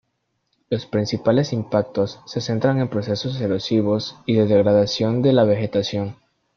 Los principales impactos se centran en procesos erosivos y de degradación de la vegetación.